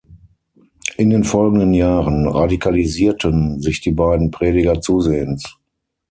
In den folgenden Jahren radikalisierten sich die beiden Prediger zusehends.